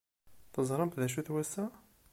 Teẓramt d acu-t wass-a?